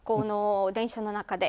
電車の中で。